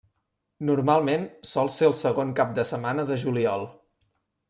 Normalment sol ser el segon cap de setmana de juliol.